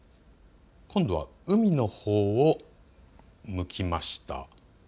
今度は海のほうを向きました。